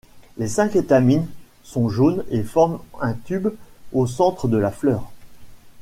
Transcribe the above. Les cinq étamines sont jaunes et forment un tube au centre de la fleur.